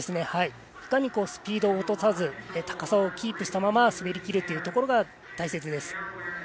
いかにスピードを落とさず高さをキープしたまま滑りきるかっていうところが大切です。